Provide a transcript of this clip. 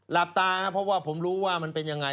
หลับตาครับเพราะว่าผมรู้ว่ามันเป็นยังไง